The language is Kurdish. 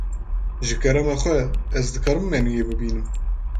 Ji kerema xwe, ez dikarim menûyê bibînim.